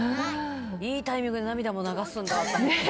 いいタイミングで涙も流すんだと。